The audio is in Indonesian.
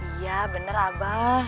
iya bener abah